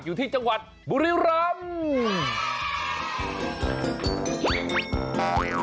อยู่ที่จังหวัดบุริรัมป์